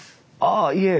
ああいえ。